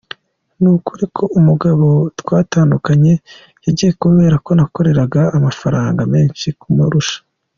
Ni ukuri ko umugabo twatandukanye yagiye kubera ko nakoreraga amafaranga menshi kumurusha.